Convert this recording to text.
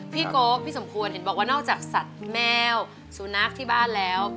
โก๊พี่สมควรเห็นบอกว่านอกจากสัตว์แมวสุนัขที่บ้านแล้ว